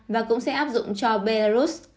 và cũng sẽ áp dụng cho belarus